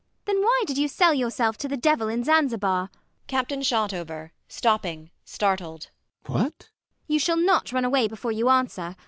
Then why did you sell yourself to the devil in Zanzibar? CAPTAIN SHOTOVER [stopping, startled]. What? ELLIE. You shall not run away before you answer.